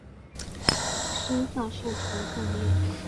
深色树皮纵裂。